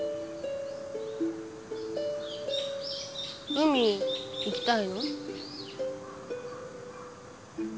海行きたいの？